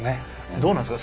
どうなんすか？